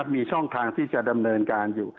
มีช่องทางที่จะดำเนินการอยู่